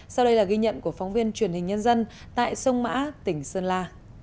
sau đây là ghi nhận của phóng viên truyền hình nhân dân tại sông mã tỉnh sơn la